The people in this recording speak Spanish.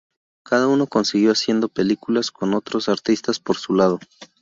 Cada uno siguió haciendo películas con otros artistas por su lado.